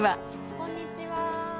こんにちは。